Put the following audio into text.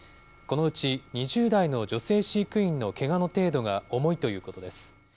このうち２０代の女性飼育員のけがの程度が重いということです。